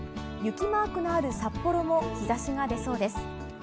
雪マークのある札幌も日差しが出そうです。